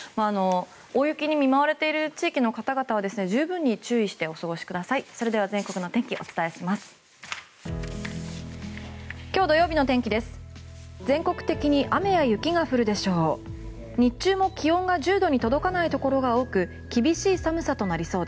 大雪に見舞われている地域の方々は十分に注意してお過ごしください。